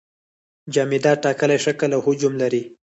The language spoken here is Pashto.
جامدات ټاکلی شکل او حجم لري.